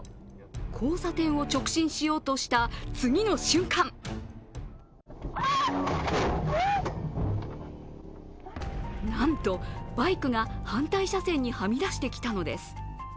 交差点を直進しようとした次の瞬間なんと、バイクが反対車線にはみ出してきたのです。